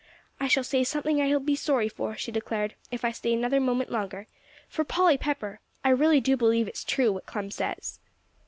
"I shall say something that I'll be sorry for," she declared, "if I stay another moment longer. For, Polly Pepper, I do really believe that it's true, what Clem says."